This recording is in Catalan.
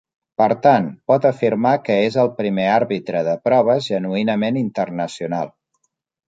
Per tant, por afirmar que és el primer àrbitre de proves genuïnament "internacional".